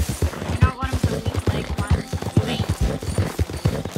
You're not one of the weak-legged ones, you ain't.